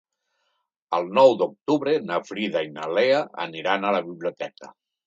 El nou d'octubre na Frida i na Lea aniran a la biblioteca.